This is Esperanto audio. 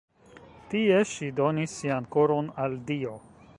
Tie ŝi donis sian koron al Dio.